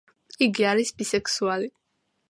იგი არის ბისექსუალი.